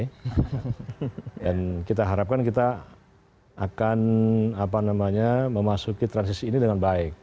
dan kita harapkan kita akan apa namanya memasuki transisi ini dengan baik